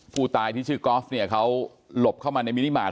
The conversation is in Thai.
ผู้ตายที่ชื่อกอล์ฟเนี่ยเขาหลบเข้ามาในมินิมาต